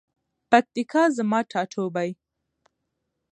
پکتیکا زما ټاټوبی.